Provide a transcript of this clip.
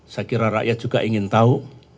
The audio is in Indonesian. saya kira rakyat juga ingin tahu